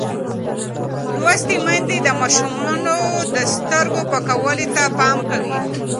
لوستې میندې د ماشومانو د سترګو پاکوالي ته پام کوي.